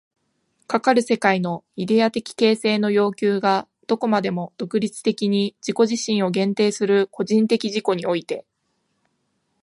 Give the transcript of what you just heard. かかる世界のイデヤ的形成の要求がどこまでも独立的に自己自身を限定する個人的自己において、